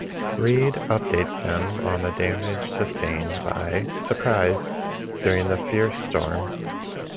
Reade updates them on the damage sustained by "Surprise" during the fierce storm.